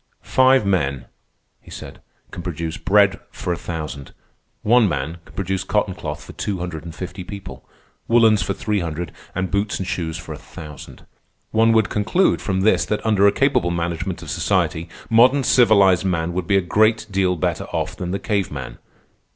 "Five men," he said, "can produce bread for a thousand. One man can produce cotton cloth for two hundred and fifty people, woollens for three hundred, and boots and shoes for a thousand. One would conclude from this that under a capable management of society modern civilized man would be a great deal better off than the cave man.